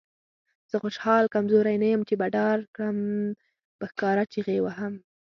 زه خوشحال کمزوری نه یم چې به ډار کړم. په ښکاره چیغې وهم.